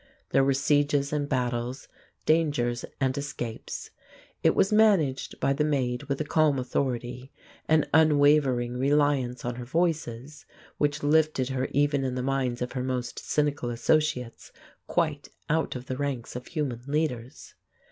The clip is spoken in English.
There were sieges and battles, dangers and escapes. It was managed by the Maid with a calm authority, an unwavering reliance on her Voices, which lifted her even in the minds of her most cynical associates quite out of the ranks of human leaders.